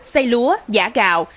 xây lúa giả gạo